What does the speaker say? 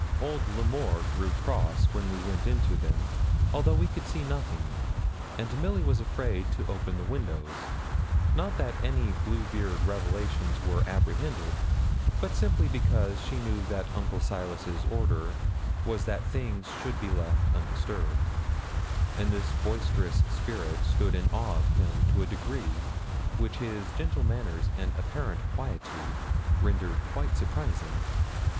Old L'Amour grew cross when we went into them, although we could see nothing; and Milly was afraid to open the windows not that any Bluebeard revelations were apprehended, but simply because she knew that Uncle Silas's order was that things should be left undisturbed; and this boisterous spirit stood in awe of him to a degree which his gentle manners and apparent quietude rendered quite surprising.